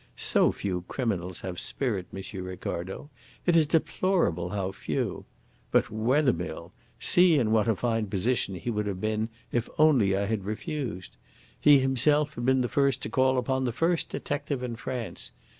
So few criminals have spirit, M. Ricardo. It is deplorable how few. But Wethermill! See in what a fine position he would have been if only I had refused. He himself had been the first to call upon the first detective in France.